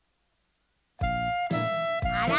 あら？